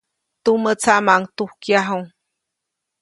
Tumä tsaʼmaʼuŋ tujkyaju.